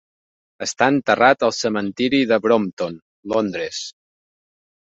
Està enterrat al cementiri de Brompton, Londres.